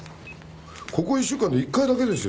ここ１週間で１回だけですよ。